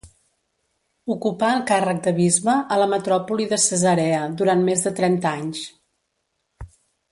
Ocupà el càrrec de bisbe a la metròpoli de Cesarea durant més de trenta anys.